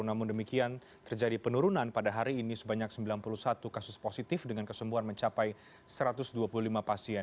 namun demikian terjadi penurunan pada hari ini sebanyak sembilan puluh satu kasus positif dengan kesembuhan mencapai satu ratus dua puluh lima pasien